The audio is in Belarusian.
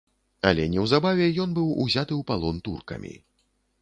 Але неўзабаве ён быў узяты ў палон туркамі.